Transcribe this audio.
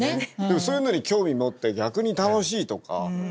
でもそういうのに興味を持って逆に楽しいとか。